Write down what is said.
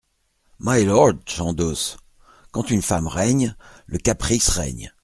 My Lord Chandos , quand une femme règne, le caprice règne.